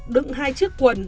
đựng hai chiếc quần